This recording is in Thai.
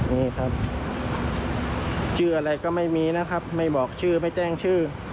นี่ครับชื่ออะไรก็ไม่มีนะครับไม่บอกชื่อไม่แจ้งชื่อ